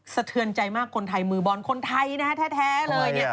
สะเทือนใจมากคนไทยมือบอลคนไทยนะฮะแท้เลยเนี่ย